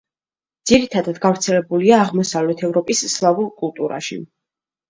ძირითადად გავრცელებულია აღმოსავლეთ ევროპის სლავურ კულტურაში.